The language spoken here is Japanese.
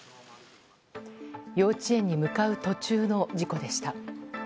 幼稚園に向かう途中の事故でした。